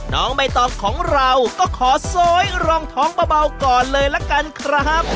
น้องใบตองของเราก็ขอโซยรองท้องเบาก่อนเลยละกันครับ